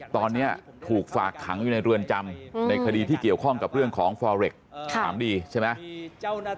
ตอนนี้ถูกฝากขังอยู่ในเรือนจำในคดีที่เกี่ยวข้องกับเรื่องของฟอเรคถามดีใช่ไหม